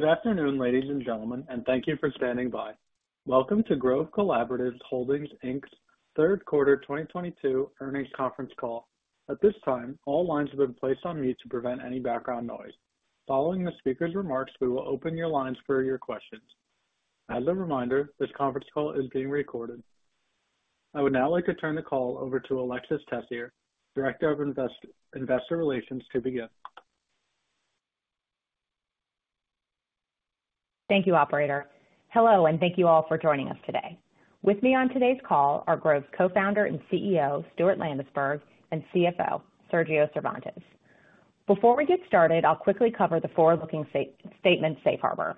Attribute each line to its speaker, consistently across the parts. Speaker 1: Good afternoon, ladies and gentlemen, and thank you for standing by. Welcome to Grove Collaborative Holdings, Inc.'s Q3 2022 earnings conference call. At this time, all lines have been placed on mute to prevent any background noise. Following the speaker's remarks, we will open your lines for your questions. As a reminder, this conference call is being recorded. I would now like to turn the call over to Alexis Tessier, Director of Investor Relations, to begin.
Speaker 2: Thank you, operator. Hello, and thank you all for joining us today. With me on today's call are Grove's Co-founder and CEO, Stuart Landesberg, and CFO, Sergio Cervantes. Before we get started, I'll quickly cover the forward-looking statement safe harbor.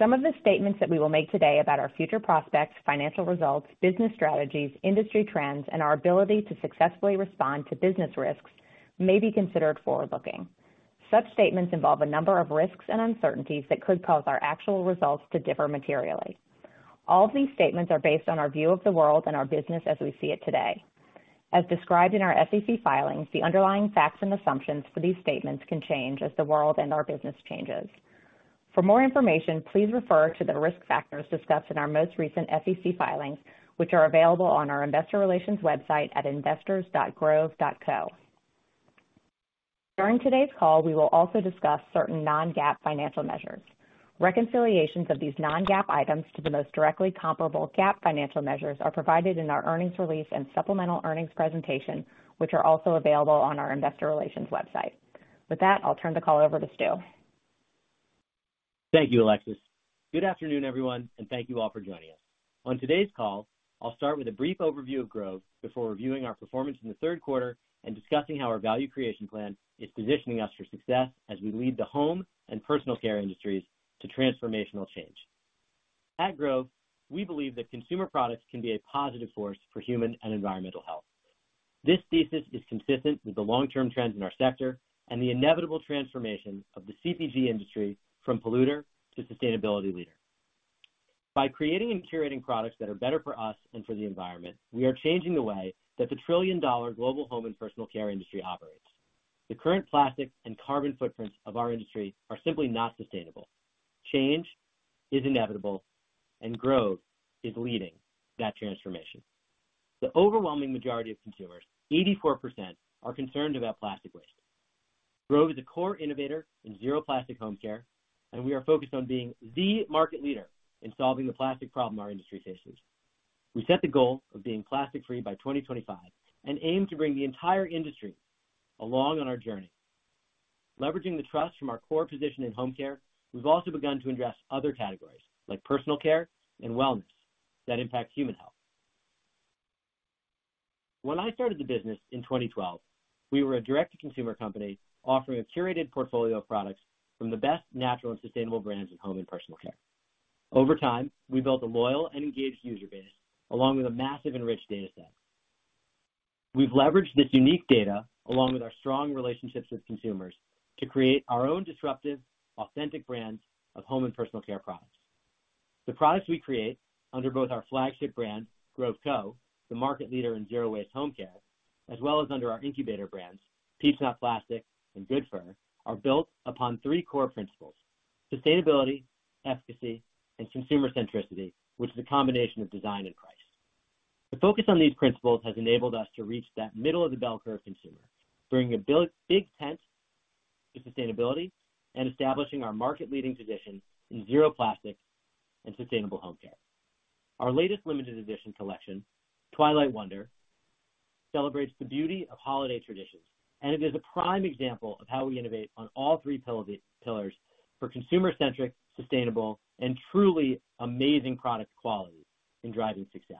Speaker 2: Some of the statements that we will make today about our future prospects, financial results, business strategies, industry trends, and our ability to successfully respond to business risks may be considered forward-looking. Such statements involve a number of risks and uncertainties that could cause our actual results to differ materially. All of these statements are based on our view of the world and our business as we see it today. As described in our SEC filings, the underlying facts and assumptions for these statements can change as the world and our business changes. For more information, please refer to the risk factors discussed in our most recent SEC filings, which are available on our investor relations website at investors.grove.co. During today's call, we will also discuss certain non-GAAP financial measures. Reconciliations of these non-GAAP items to the most directly comparable GAAP financial measures are provided in our earnings release and supplemental earnings presentation, which are also available on our investor relations website. With that, I'll turn the call over to Stu.
Speaker 3: Thank you, Alexis. Good afternoon, everyone, and thank you all for joining us. On today's call, I'll start with a brief overview of Grove before reviewing our performance in the Q3 and discussing how our value creation plan is positioning us for success as we lead the home and personal care industries to transformational change. At Grove, we believe that consumer products can be a positive force for human and environmental health. This thesis is consistent with the long-term trends in our sector and the inevitable transformation of the CPG industry from polluter to sustainability leader. By creating and curating products that are better for us and for the environment, we are changing the way that the trillion-dollar global home and personal care industry operates. The current plastic and carbon footprints of our industry are simply not sustainable. Change is inevitable, and Grove is leading that transformation. The overwhelming majority of consumers, 84%, are concerned about plastic waste. Grove is a core innovator in zero plastic home care, and we are focused on being the market leader in solving the plastic problem our industry faces. We set the goal of being plastic-free by 2025 and aim to bring the entire industry along on our journey. Leveraging the trust from our core position in home care, we've also begun to address other categories like personal care and wellness that impact human health. When I started the business in 2012, we were a direct-to-consumer company offering a curated portfolio of products from the best natural and sustainable brands in home and personal care. Over time, we built a loyal and engaged user base, along with a massive and rich data set. We've leveraged this unique data, along with our strong relationships with consumers, to create our own disruptive, authentic brands of home and personal care products. The products we create under both our flagship brand, Grove Co., the market leader in zero-waste home care, as well as under our incubator brands, Peach Not Plastic and Good Fur, are built upon three core principles, sustainability, efficacy, and consumer centricity, which is a combination of design and price. The focus on these principles has enabled us to reach that middle-of-the-bell curve consumer, bringing a big tent to sustainability and establishing our market-leading position in zero plastic and sustainable home care. Our latest limited edition collection, Twilight Wonder, celebrates the beauty of holiday traditions, and it is a prime example of how we innovate on all three pillars for consumer-centric, sustainable, and truly amazing product quality in driving success.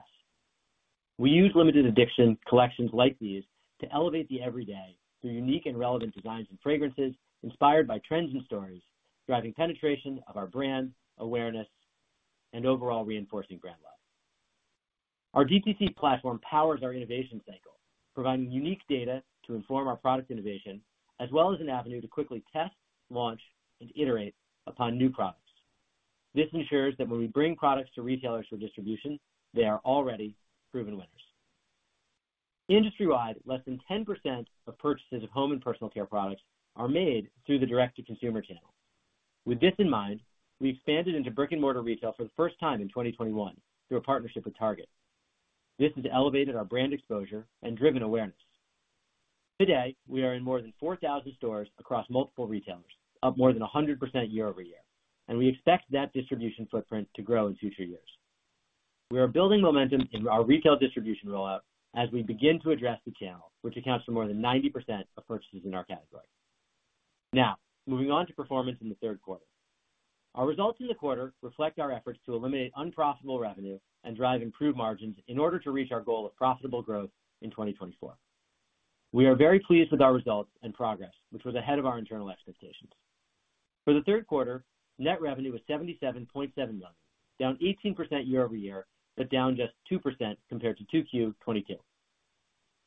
Speaker 3: We use limited edition collections like these to elevate the everyday through unique and relevant designs and fragrances inspired by trends and stories, driving penetration of our brand awareness and overall reinforcing brand love. Our DTC platform powers our innovation cycle, providing unique data to inform our product innovation, as well as an avenue to quickly test, launch, and iterate upon new products. This ensures that when we bring products to retailers for distribution, they are already proven winners. Industry-wide, less than 10% of purchases of home and personal care products are made through the direct-to-consumer channel. With this in mind, we expanded into brick-and-mortar retail for the first time in 2021 through a partnership with Target. This has elevated our brand exposure and driven awareness. Today, we are in more than 4,000 stores across multiple retailers, up more than 100% year-over-year, and we expect that distribution footprint to grow in future years. We are building momentum in our retail distribution rollout as we begin to address the channel, which accounts for more than 90% of purchases in our category. Now, moving on to performance in the Q3. Our results in the quarter reflect our efforts to eliminate unprofitable revenue and drive improved margins in order to reach our goal of profitable growth in 2024. We are very pleased with our results and progress, which was ahead of our internal expectations. For the Q3, net revenue was $77.7 million, down 18% year-over-year, but down just 2% compared to 2Q 2022.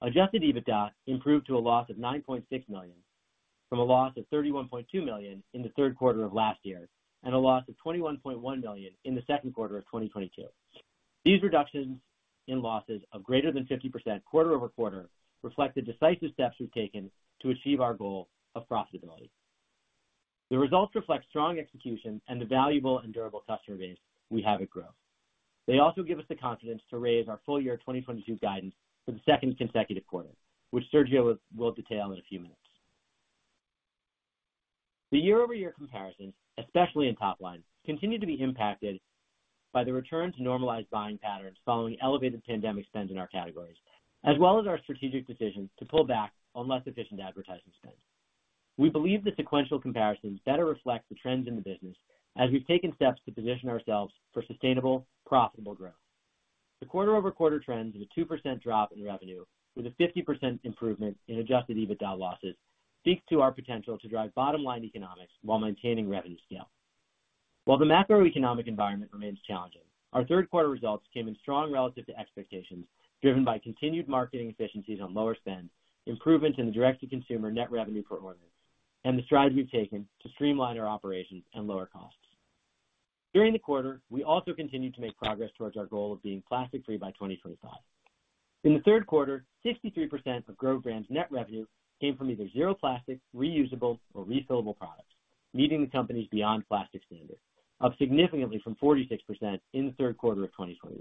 Speaker 3: Adjusted EBITDA improved to a loss of $9.6 million from a loss of $31.2 million in the Q3 of last year and a loss of $21.1 million in the Q2 of 2022. These reductions in losses of greater than 50% quarter-over-quarter reflect the decisive steps we've taken to achieve our goal of profitability. The results reflect strong execution and the valuable and durable customer base we have at Grove. They also give us the confidence to raise our full year 2022 guidance for the second consecutive quarter, which Sergio will detail in a few minutes. The year-over-year comparisons, especially in top line, continue to be impacted by the return to normalized buying patterns following elevated pandemic spends in our categories, as well as our strategic decisions to pull back on less efficient advertising spends. We believe the sequential comparisons better reflect the trends in the business as we've taken steps to position ourselves for sustainable, profitable growth. The quarter-over-quarter trends of a 2% drop in revenue with a 50% improvement in adjusted EBITDA losses speaks to our potential to drive bottom-line economics while maintaining revenue scale. While the macroeconomic environment remains challenging, our Q3 results came in strong relative to expectations, driven by continued marketing efficiencies on lower spend, improvements in the direct-to-consumer net revenue per order, and the strides we've taken to streamline our operations and lower costs. During the quarter, we also continued to make progress towards our goal of being plastic free by 2025. In the Q3, 63% of Grove brand's net revenue came from either zero plastic, reusable or refillable products, meeting the company's Beyond Plastic standard, up significantly from 46% in the Q3 of 2021.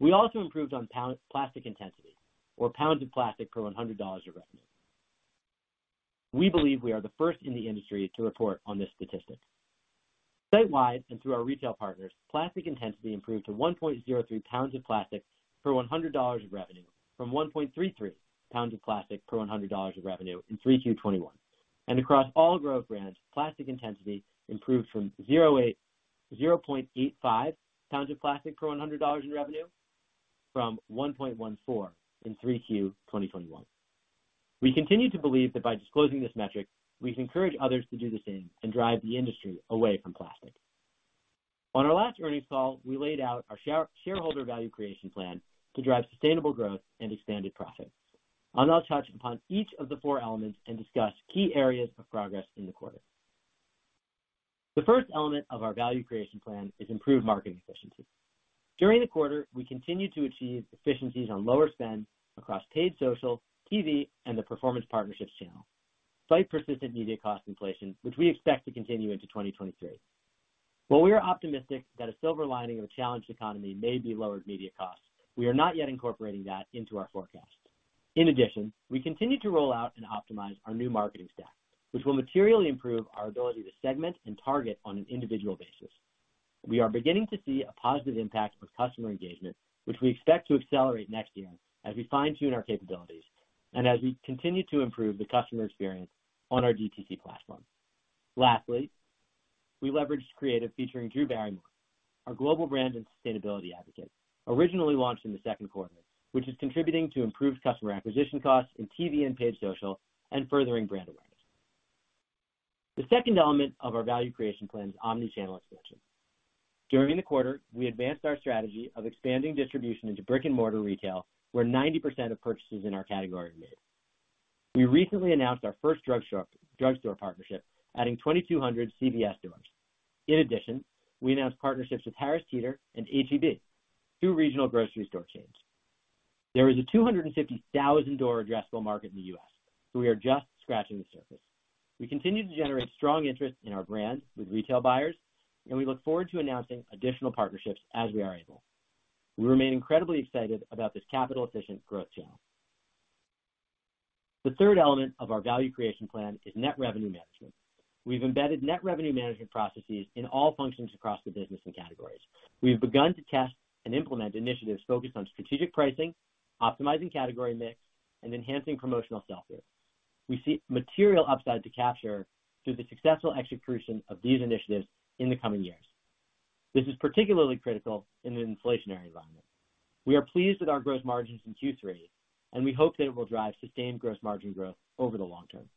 Speaker 3: We also improved on plastic intensity or pounds of plastic per $100 of revenue. We believe we are the first in the industry to report on this statistic. Sitewide and through our retail partners, plastic intensity improved to 1.03 pounds of plastic per $100 of revenue from 1.33 pounds of plastic per $100 of revenue in 3Q 2021. Across all Grove brands, plastic intensity improved from 0.85 pounds of plastic per $100 in revenue from 1.14 in 3Q 2021. We continue to believe that by disclosing this metric, we can encourage others to do the same and drive the industry away from plastic. On our last earnings call, we laid out our shareholder value creation plan to drive sustainable growth and expanded profits. I'll now touch upon each of the four elements and discuss key areas of progress in the quarter. The first element of our value creation plan is improved marketing efficiency. During the quarter, we continued to achieve efficiencies on lower spend across paid social, TV, and the performance partnerships channel. Slight persistent media cost inflation, which we expect to continue into 2023. While we are optimistic that a silver lining of a challenged economy may be lowered media costs, we are not yet incorporating that into our forecast. In addition, we continue to roll out and optimize our new marketing stack, which will materially improve our ability to segment and target on an individual basis. We are beginning to see a positive impact on customer engagement, which we expect to accelerate next year as we fine-tune our capabilities and as we continue to improve the customer experience on our DTC platform. Lastly, we leveraged creative featuring Drew Barrymore, our Global Brand and Sustainability Advocate, originally launched in the Q2, which is contributing to improved customer acquisition costs in TV and paid social and furthering brand awareness. The second element of our value creation plan is omni-channel expansion. During the quarter, we advanced our strategy of expanding distribution into brick-and-mortar retail, where 90% of purchases in our category are made. We recently announced our first drugstore partnership, adding 2,200 CVS stores. In addition, we announced partnerships with Harris Teeter and H-E-B, two regional grocery store chains. There is a 250,000-store addressable market in the U.S., so we are just scratching the surface. We continue to generate strong interest in our brand with retail buyers, and we look forward to announcing additional partnerships as we are able. We remain incredibly excited about this capital-efficient growth channel. The third element of our value creation plan is net revenue management. We've embedded net revenue management processes in all functions across the business and categories. We have begun to test and implement initiatives focused on strategic pricing, optimizing category mix, and enhancing promotional software. We see material upside to capture through the successful execution of these initiatives in the coming years. This is particularly critical in an inflationary environment. We are pleased with our gross margins in Q3, and we hope that it will drive sustained gross margin growth over the long term.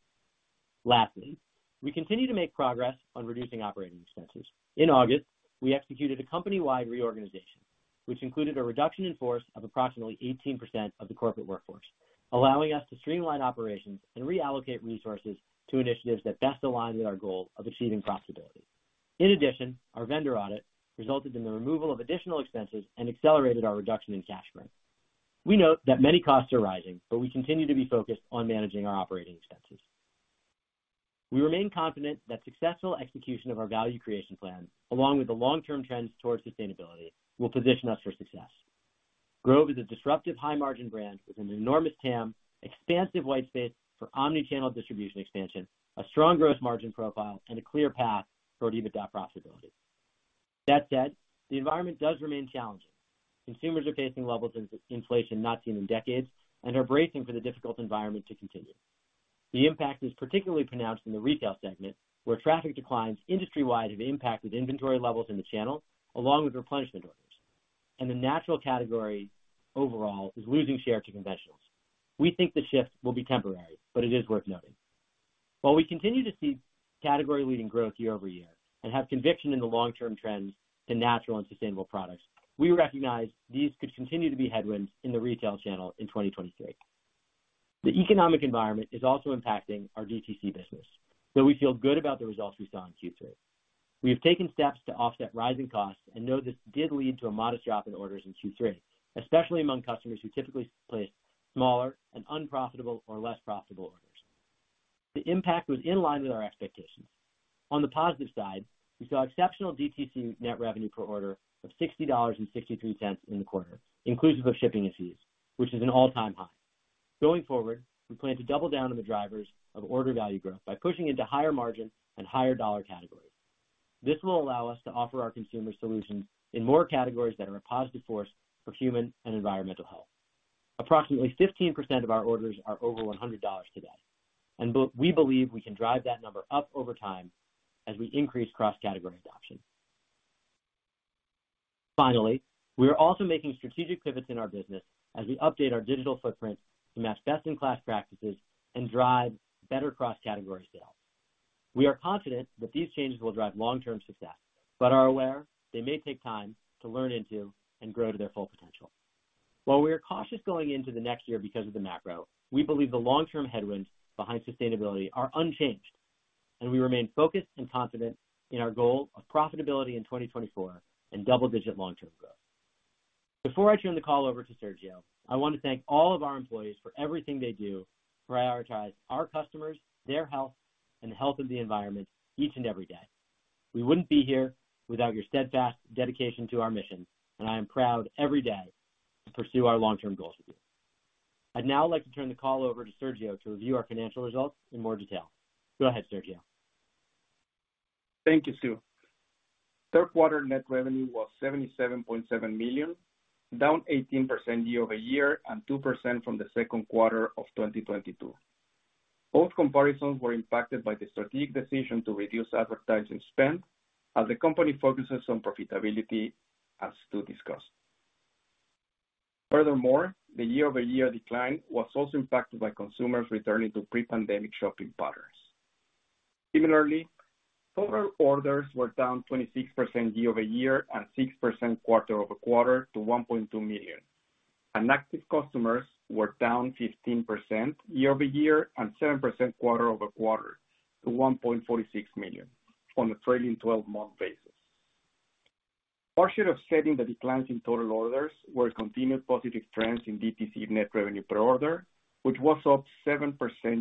Speaker 3: Lastly, we continue to make progress on reducing operating expenses. In August, we executed a company-wide reorganization, which included a reduction in force of approximately 18% of the corporate workforce, allowing us to streamline operations and reallocate resources to initiatives that best align with our goal of achieving profitability. In addition, our vendor audit resulted in the removal of additional expenses and accelerated our reduction in cash burn. We note that many costs are rising, but we continue to be focused on managing our operating expenses. We remain confident that successful execution of our value creation plan, along with the long-term trends towards sustainability, will position us for success. Grove is a disruptive high-margin brand with an enormous TAM, expansive white space for omni-channel distribution expansion, a strong gross margin profile, and a clear path toward EBITDA profitability. That said, the environment does remain challenging. Consumers are facing levels of inflation not seen in decades and are bracing for the difficult environment to continue. The impact is particularly pronounced in the retail segment, where traffic declines industry-wide have impacted inventory levels in the channel, along with replenishment orders, and the natural category overall is losing share to conventions. We think the shift will be temporary, but it is worth noting. While we continue to see category-leading growth year-over-year and have conviction in the long-term trends to natural and sustainable products, we recognize these could continue to be headwinds in the retail channel in 2023. The economic environment is also impacting our DTC business, though we feel good about the results we saw in Q3. We have taken steps to offset rising costs and know this did lead to a modest drop in orders in Q3, especially among customers who typically place smaller and unprofitable or less profitable orders. The impact was in line with our expectations. On the positive side, we saw exceptional DTC net revenue per order of $60.63 in the quarter, inclusive of shipping and fees, which is an all-time high. Going forward, we plan to double down on the drivers of order value growth by pushing into higher margin and higher dollar categories. This will allow us to offer our consumer solutions in more categories that are a positive force for human and environmental health. Approximately 15% of our orders are over $100 today, and we believe we can drive that number up over time as we increase cross-category adoption. Finally, we are also making strategic pivots in our business as we update our digital footprint to match best in class practices and drive better cross-category sales. We are confident that these changes will drive long-term success but are aware they may take time to lean into and grow to their full potential. While we are cautious going into the next year because of the macro, we believe the long-term headwinds behind sustainability are unchanged, and we remain focused and confident in our goal of profitability in 2024 and double-digit long-term growth. Before I turn the call over to Sergio, I want to thank all of our employees for everything they do to prioritize our customers, their health and the health of the environment each and every day. We wouldn't be here without your steadfast dedication to our mission, and I am proud every day to pursue our long-term goals with you. I'd now like to turn the call over to Sergio to review our financial results in more detail. Go ahead, Sergio.
Speaker 4: Thank you, Stu. Q3 net revenue was $77.7 million, down 18% year-over-year and 2% from the Q2 of 2022. Both comparisons were impacted by the strategic decision to reduce advertising spend as the company focuses on profitability, as Stu discussed. Furthermore, the year-over-year decline was also impacted by consumers returning to pre-pandemic shopping patterns. Similarly, total orders were down 26% year-over-year and 6% quarter-over-quarter to 1.2 million. Active customers were down 15% year-over-year and 7% quarter-over-quarter to 1.46 million on a trailing twelve-month basis. Partially offsetting the declines in total orders were continued positive trends in DTC net revenue per order, which was up 7%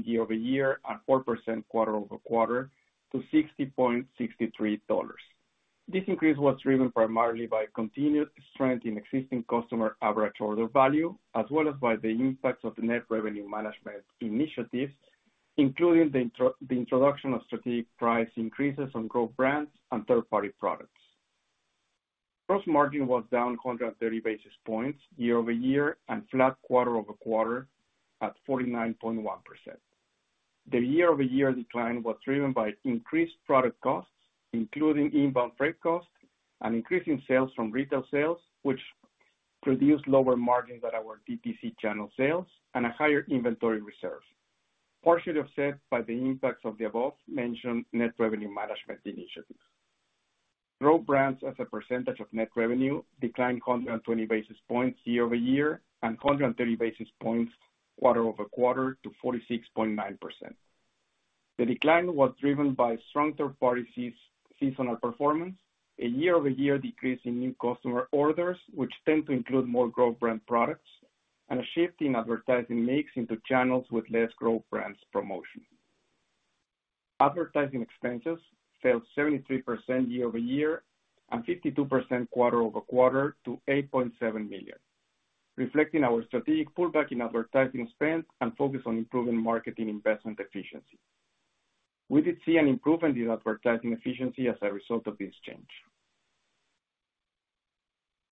Speaker 4: year-over-year and 4% quarter-over-quarter to $60.63. This increase was driven primarily by continued strength in existing customer average order value, as well as by the impact of the net revenue management initiatives, including the introduction of strategic price increases on growth brands and third-party products. Gross margin was down 130 basis points year-over-year and flat quarter-over-quarter at 49.1%. The year-over-year decline was driven by increased product costs, including inbound freight costs and increasing sales from retail sales, which produce lower margins at our DTC channel sales and a higher inventory reserve, partially offset by the impacts of the above-mentioned net revenue management initiatives. Growth brands as a percentage of net revenue declined 120 basis points year-over-year and 130 basis points quarter-over-quarter to 46.9%. The decline was driven by strong third-party seasonal performance, a year-over-year decrease in new customer orders, which tend to include more Grove brand products, and a shift in advertising mix into channels with less Grove brands promotion. Advertising expenses fell 73% year-over-year and 52% quarter-over-quarter to $8.7 million, reflecting our strategic pullback in advertising spend and focus on improving marketing investment efficiency. We did see an improvement in advertising efficiency as a result of this change.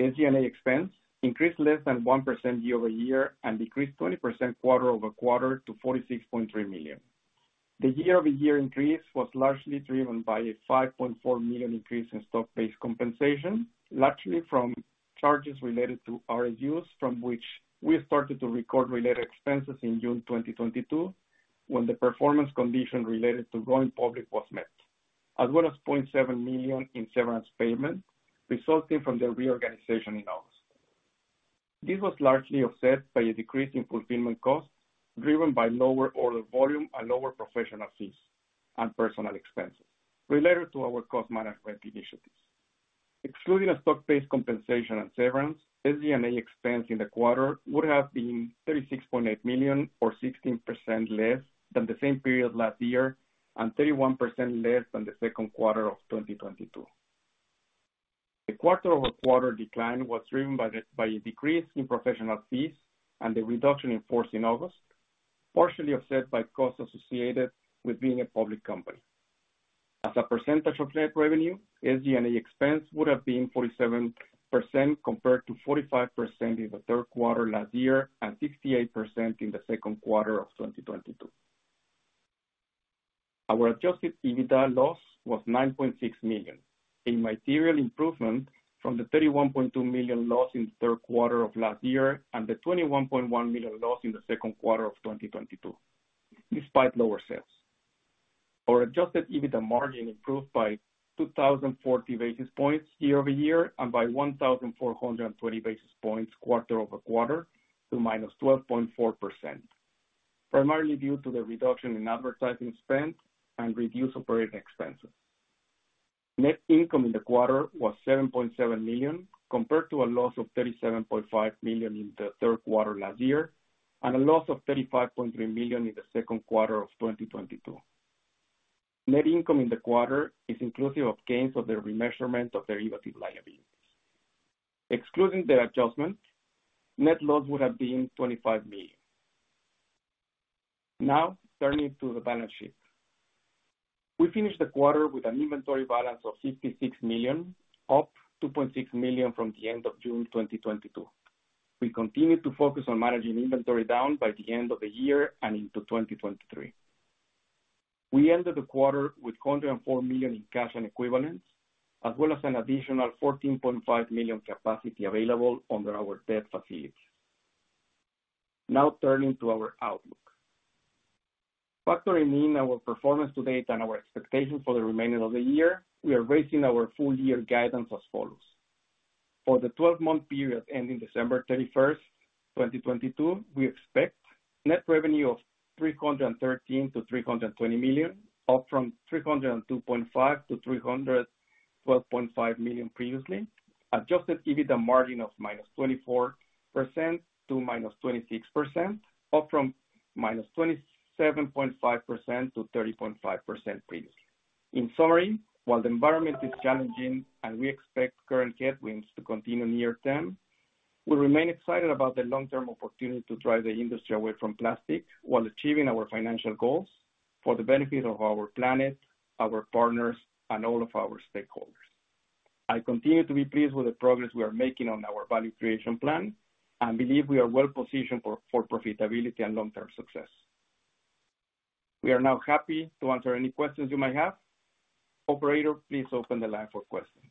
Speaker 4: SG&A expense increased less than 1% year-over-year and decreased 20% quarter-over-quarter to $46.3 million. The year-over-year increase was largely driven by a $5.4 million increase in stock-based compensation, largely from charges related to RSU from which we started to record related expenses in June 2022, when the performance condition related to going public was met, as well as $0.7 million in severance payments resulting from the reorganization in August. This was largely offset by a decrease in fulfillment costs driven by lower order volume and lower professional fees and personnel expenses related to our cost management initiatives. Excluding stock-based compensation and severance, SG&A expense in the quarter would have been $36.8 million or 16% less than the same period last year and 31% less than the Q2 of 2022. The quarter-over-quarter decline was driven by a decrease in professional fees and the reduction in force in August, partially offset by costs associated with being a public company. As a percentage of net revenue, SG&A expense would have been 47% compared to 45% in the Q3 last year and 68% in the Q2 of 2022. Our adjusted EBITDA loss was $9.6 million, a material improvement from the $31.2 million loss in the Q3 of last year and the $21.1 million loss in the Q2 of 2022, despite lower sales. Our adjusted EBITDA margin improved by 2,040 basis points year-over-year and by 1,420 basis points quarter-over-quarter to -12.4%, primarily due to the reduction in advertising spend and reduced operating expenses. Net income in the quarter was $7.7 million compared to a loss of $37.5 million in the Q3 last year, and a loss of $35.3 million in the Q2 of 2022. Net income in the quarter is inclusive of gains of the remeasurement of derivative liabilities. Excluding the adjustment, net loss would have been $25 million. Now turning to the balance sheet. We finished the quarter with an inventory balance of $56 million, up $2.6 million from the end of June 2022. We continue to focus on managing inventory down by the end of the year and into 2023. We ended the quarter with $104 million in cash and equivalents, as well as an additional $14.5 million capacity available under our debt facilities. Now turning to our outlook. Factoring in our performance to date and our expectations for the remainder of the year, we are raising our full year guidance as follows. For the twelve-month period ending December 31st, 2022, we expect net revenue of $313 million-$320 million, up from $302.5 million-$312.5 million previously. Adjusted EBITDA margin of -24%-26% up from -27.5%-30.5% previously. In summary, while the environment is challenging and we expect current headwinds to continue near term, we remain excited about the long-term opportunity to drive the industry away from plastic while achieving our financial goals for the benefit of our planet, our partners, and all of our stakeholders. I continue to be pleased with the progress we are making on our value creation plan and believe we are well-positioned for profitability and long-term success. We are now happy to answer any questions you might have. Operator, please open the line for questions.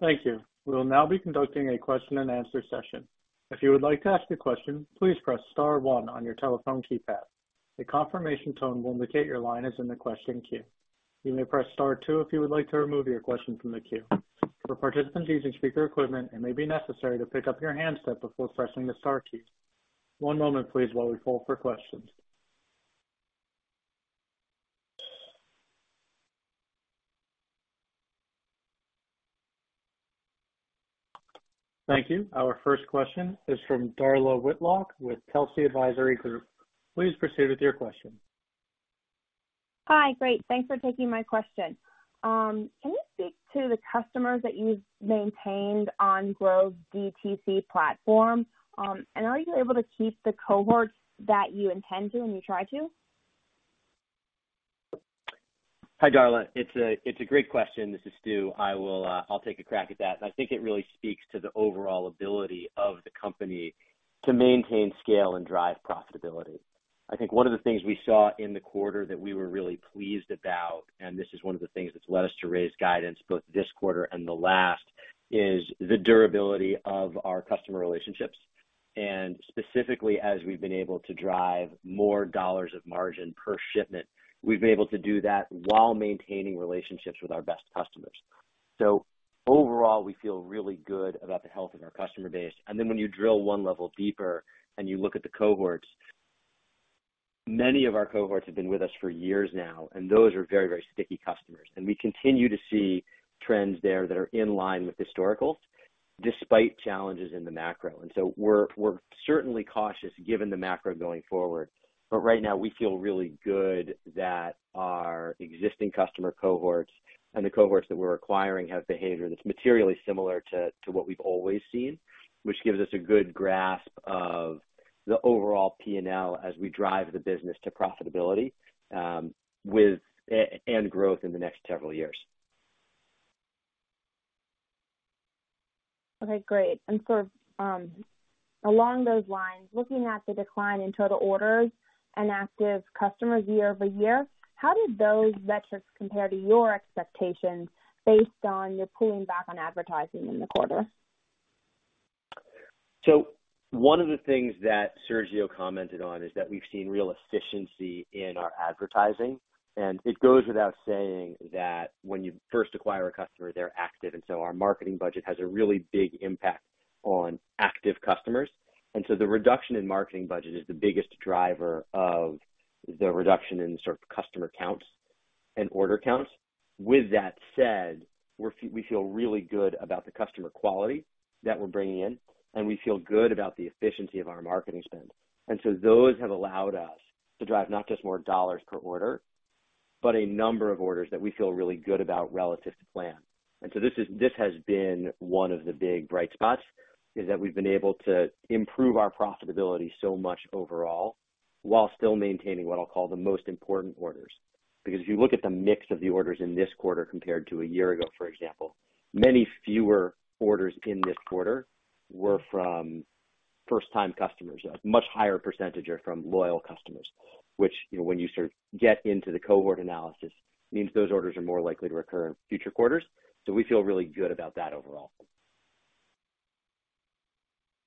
Speaker 1: Thank you. We will now be conducting a question-and-answer session. If you would like to ask a question, please press star one on your telephone keypad. A confirmation tone will indicate your line is in the question queue. You may press star two if you would like to remove your question from the queue. For participants using speaker equipment, it may be necessary to pick up your handset before pressing the star keys. One moment please while we poll for questions. Thank you. Our first question is from Darla Whitlock with Telsey Advisory Group. Please proceed with your question.
Speaker 5: Hi. Great. Thanks for taking my question. Can you speak to the customers that you've maintained on Grove's DTC platform? Are you able to keep the cohorts that you intend to and you try to?
Speaker 3: Hi, Darla. It's a great question. This is Stu. I'll take a crack at that. I think it really speaks to the overall ability of the company to maintain scale and drive profitability. I think one of the things we saw in the quarter that we were really pleased about, and this is one of the things that's led us to raise guidance both this quarter and the last, is the durability of our customer relationships. Specifically, as we've been able to drive more dollars of margin per shipment, we've been able to do that while maintaining relationships with our best customers. Overall, we feel really good about the health of our customer base. When you drill one level deeper and you look at the cohorts, many of our cohorts have been with us for years now, and those are very, very sticky customers. We continue to see trends there that are in line with historical despite challenges in the macro. We're certainly cautious given the macro going forward. Right now we feel really good that our existing customer cohorts and the cohorts that we're acquiring have behavior that's materially similar to what we've always seen, which gives us a good grasp of the overall P&L as we drive the business to profitability, with and growth in the next several years.
Speaker 5: Okay, great. Sort of, along those lines, looking at the decline in total orders and active customers year-over-year, how did those metrics compare to your expectations based on your pulling back on advertising in the quarter?
Speaker 3: One of the things that Sergio commented on is that we've seen real efficiency in our advertising. It goes without saying that when you first acquire a customer, they're active. Our marketing budget has a really big impact on active customers. The reduction in marketing budget is the biggest driver of the reduction in sort of customer counts and order counts. With that said, we feel really good about the customer quality that we're bringing in, and we feel good about the efficiency of our marketing spend. Those have allowed us to drive not just more dollars per order, but a number of orders that we feel really good about relative to plan. This has been one of the big bright spots, is that we've been able to improve our profitability so much overall while still maintaining what I'll call the most important orders. Because if you look at the mix of the orders in this quarter compared to a year ago, for example, many fewer orders in this quarter were from first-time customers. A much higher percentage are from loyal customers, which, you know, when you sort of get into the cohort analysis, means those orders are more likely to recur in future quarters. We feel really good about that overall.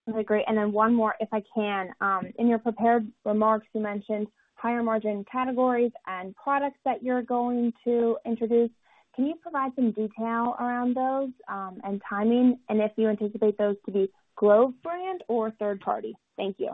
Speaker 5: Okay, great. One more, if I can. In your prepared remarks, you mentioned higher margin categories and products that you're going to introduce. Can you provide some detail around those, and timing? If you anticipate those to be Grove brand or third party? Thank you.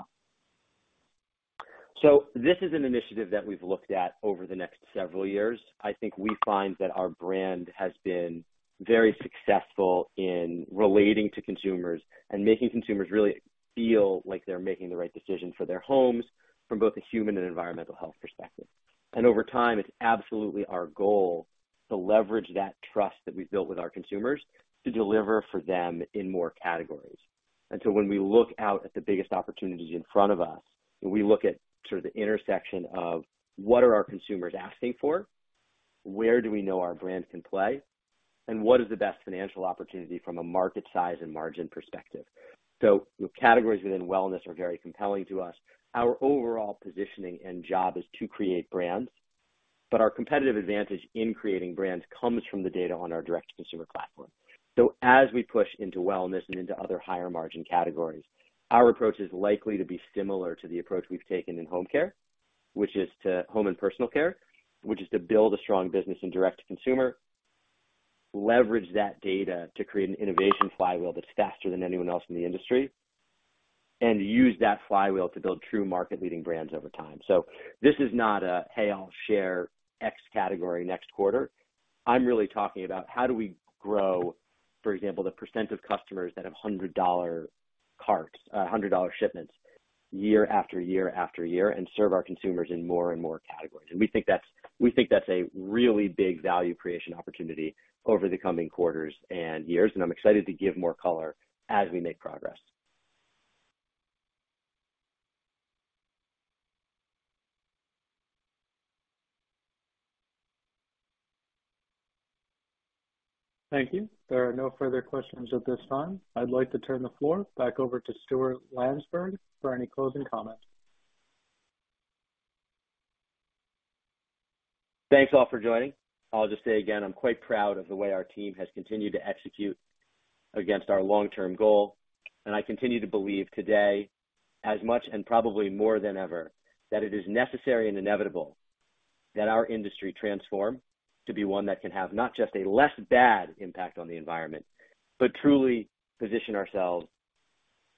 Speaker 3: This is an initiative that we've looked at over the next several years. I think we find that our brand has been very successful in relating to consumers and making consumers really feel like they're making the right decision for their homes from both a human and environmental health perspective. Over time, it's absolutely our goal to leverage that trust that we've built with our consumers to deliver for them in more categories. When we look out at the biggest opportunities in front of us, we look at sort of the intersection of what are our consumers asking for, where do we know our brand can play, and what is the best financial opportunity from a market size and margin perspective. Categories within wellness are very compelling to us. Our overall positioning and job is to create brands, but our competitive advantage in creating brands comes from the data on our direct-to-consumer platform. As we push into wellness and into other higher margin categories, our approach is likely to be similar to the approach we've taken in home care, which is to home and personal care, which is to build a strong business in direct to consumer, leverage that data to create an innovation flywheel that's faster than anyone else in the industry, and use that flywheel to build true market leading brands over time. This is not a, "Hey, I'll share X category next quarter." I'm really talking about how do we grow, for example, the percent of customers that have $100 carts, $100 shipments year after year after year and serve our consumers in more and more categories. We think that's a really big value creation opportunity over the coming quarters and years, and I'm excited to give more color as we make progress.
Speaker 1: Thank you. There are no further questions at this time. I'd like to turn the floor back over to Stuart Landesberg for any closing comments.
Speaker 3: Thanks, all for joining. I'll just say again, I'm quite proud of the way our team has continued to execute against our long-term goal, and I continue to believe today, as much and probably more than ever, that it is necessary and inevitable that our industry transform to be one that can have not just a less bad impact on the environment, but truly position ourselves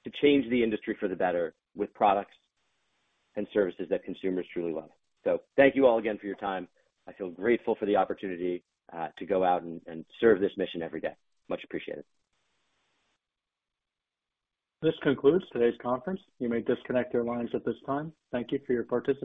Speaker 3: to change the industry for the better with products and services that consumers truly love. Thank you all again for your time. I feel grateful for the opportunity to go out and serve this mission every day. Much appreciated.
Speaker 1: This concludes today's conference. You may disconnect your lines at this time. Thank you for your participation.